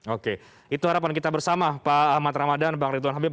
oke itu harapan kita bersama pak ahmad ramadan bang ridwan habib